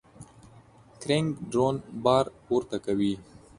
کرینګ درون بار پورته کوي.